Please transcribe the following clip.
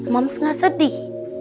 moms nggak sedih